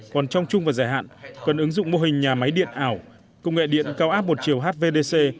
còn trong chung và giải hạn cần ứng dụng mô hình nhà máy điện ảo công nghệ điện cao áp một chiều hvdc